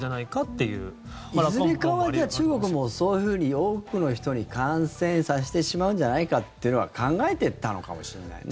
いずれかは中国もそういうふうに多くの人に感染させてしまうんじゃないかっていうのは考えていたのかもしれないね。